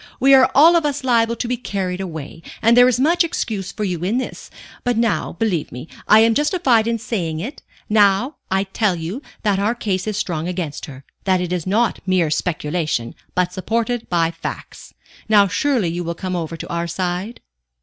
We are all of us liable to be carried away, and there is much excuse for you in this. But now believe me, I am justified in saying it now I tell you that our case is strong against her, that it is not mere speculation, but supported by facts. Now surely you will come over to our side?"